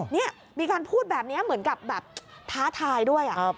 นี่มีการพูดแบบนี้เหมือนกับแบบท้าทายด้วย